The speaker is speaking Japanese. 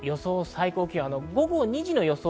最高気温、午後２時の予想